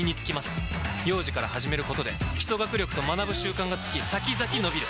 幼児から始めることで基礎学力と学ぶ習慣がつき先々のびる！